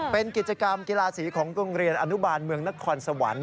เป็นกิจกรรมกีฬาสีของโรงเรียนอนุบาลเมืองนครสวรรค์